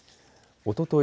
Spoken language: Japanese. おととい